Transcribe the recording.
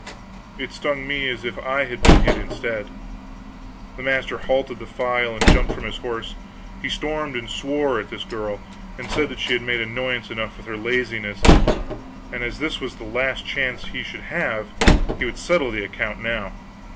It stung me as if I had been hit instead. The master halted the file and jumped from his horse. He stormed and swore at this girl, and said she had made annoyance enough with her laziness, and as this was the last chance he should have, he would settle the account now.